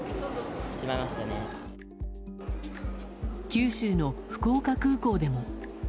九州の福岡空港でも。